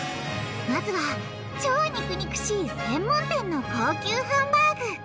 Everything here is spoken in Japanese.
まずは超肉々しい専門店の高級ハンバーグ！